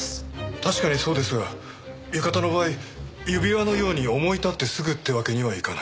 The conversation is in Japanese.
確かにそうですが浴衣の場合指輪のように思い立ってすぐってわけにはいかない。